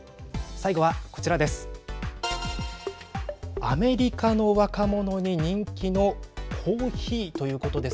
最後は、こちらです。